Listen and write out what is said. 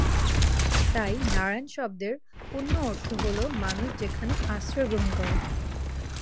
তাই "নারায়ণ" শব্দের অন্য অর্থ হল, "মানুষ যেখানে আশ্রয় গ্রহণ করে।"